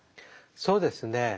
そうですね